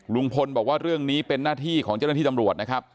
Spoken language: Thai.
ลุงพลบอกว่าเรื่องนี้เป็นหน้าที่ของเจ้าหน้าที่ตำรวจนะครับ